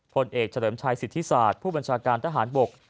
ผลเอกเฉลิมชัยสิทธิศาสตร์ผู้บัญชาการทหารบก